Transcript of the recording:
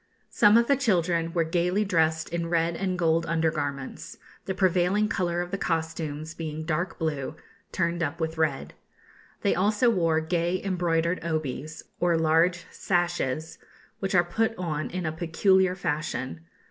Some of the children were gaily dressed in red and gold under garments, the prevailing colour of the costumes being dark blue, turned up with red. They also wore gay embroidered obis, or large sashes, which are put on in a peculiar fashion.